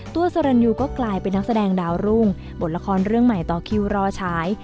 ตัวสรรยูก็กลายเป็นนักแสดงดาวรุ่งบทละครเรื่องใหม่ต่อคิวรอฉาย